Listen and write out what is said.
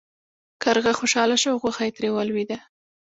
کارغه خوشحاله شو او غوښه ترې ولویده.